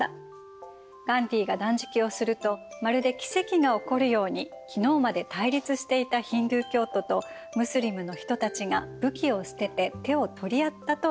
ガンディーが断食をするとまるで奇跡が起こるように昨日まで対立していたヒンドゥー教徒とムスリムの人たちが武器を捨てて手を取り合ったといいます。